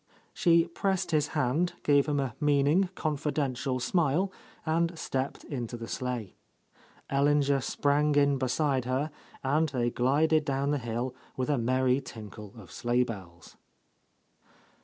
She pressed his hand, gave him a meaning, confidential smile, and stepped into the sleigh. Ellinger sprang in be side her, and they glided down the hill with a merry tinkle of sleighbells.